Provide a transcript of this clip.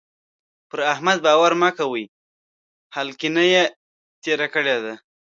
پر احمد باور مه کوئ؛ هلکينه يې تېره کړې ده.